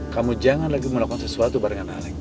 kamu jangan lagi melakukan sesuatu bareng alec